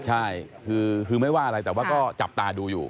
ใช่คือไม่ว่าอะไรแต่ว่าก็จับตาดูอยู่